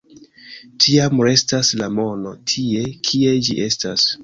Tiam restas la mono tie, kie ĝi estas.